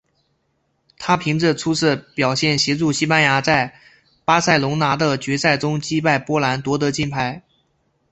他凭着出色表现协助西班牙在巴塞隆拿的决赛中击败波兰夺得金牌。